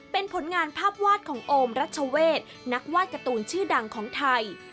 เป็นผลงานภาพวาดของโอมรัชเวศนักวาดการ์ตูนชื่อดังของไทย